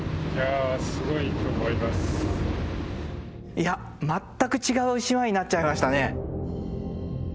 いや全く違う島になっちゃいましたね。